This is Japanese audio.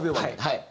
はい。